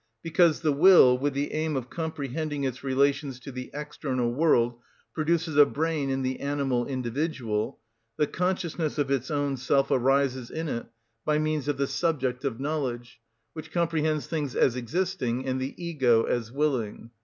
Because the will, with the aim of comprehending its relations to the external world, produces a brain in the animal individual, the consciousness of its own self arises in it, by means of the subject of knowledge, which comprehends things as existing and the ego as willing.